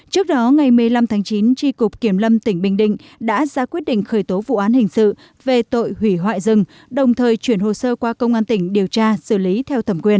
trước đó ngày một mươi năm tháng chín tri cục kiểm lâm tỉnh bình định đã ra quyết định khởi tố vụ án hình sự về tội hủy hoại rừng đồng thời chuyển hồ sơ qua công an tỉnh điều tra xử lý theo thẩm quyền